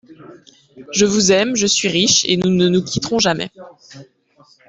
Je vous aime, je suis riche, et nous ne nous quitterons jamais.